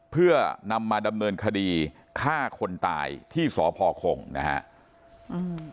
เพื่อนำมาดำเนินคดีฆ่าคนตายที่สพคงนะฮะอืม